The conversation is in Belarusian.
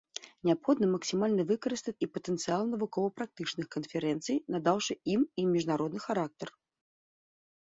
Неабходна максімальна выкарыстаць і патэнцыял навукова-практычных канферэнцый, надаўшы ім і міжнародны характар.